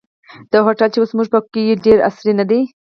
دا هوټل چې اوس موږ په کې یو ډېر عصري نه دی.